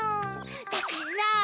だから。